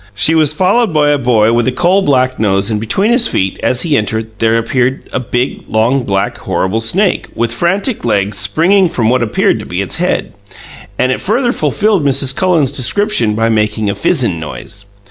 She was followed by a boy with a coal black nose and between his feet, as he entered, there appeared a big long, black, horrible snake, with frantic legs springing from what appeared to be its head; and it further fulfilled Mrs. Cullen's description by making a fizzin' noise.